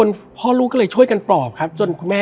และวันนี้แขกรับเชิญที่จะมาเชิญที่เรา